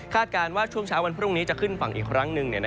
การว่าช่วงเช้าวันพรุ่งนี้จะขึ้นฝั่งอีกครั้งหนึ่ง